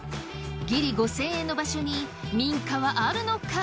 ギリ５，０００円の場所に民家はあるのか？